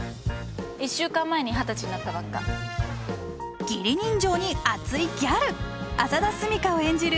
１週間前に二十歳になったばっか義理人情に厚いギャル浅田澄香を演じる